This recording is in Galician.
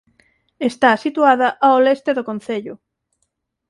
Está situada ao leste do Concello.